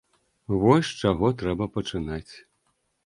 Вось з чаго трэба пачынаць.